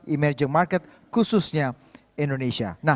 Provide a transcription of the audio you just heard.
emerging market khususnya indonesia